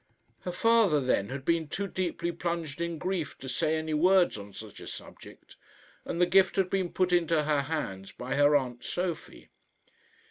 Her father then had been too deeply plunged in grief to say any words on such a subject, and the gift had been put into her hands by her aunt Sophie.